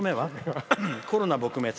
コロナ撲滅。